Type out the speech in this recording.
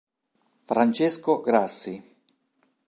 Francesco Grassi